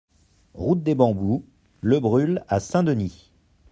Route des Bambous - Le Brule à Saint-Denis